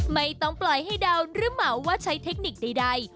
ไม่ต้องปล่อยให้เดาหรือเหมาว่าใช้เทคนิคใด